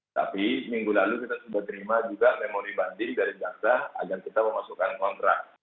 tapi minggu lalu kita sudah terima juga memori banding dari jaksa agar kita memasukkan kontrak